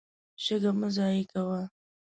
شګه مه ضایع کوه.